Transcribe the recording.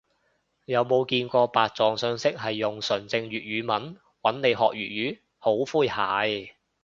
有冇見過白撞訊息係用純正粵語問，搵你學粵語？好詼諧